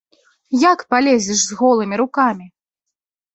Як палезеш з голымі рукамі?